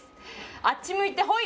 あっちむいてホイ！